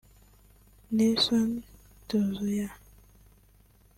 Nelson Dzuya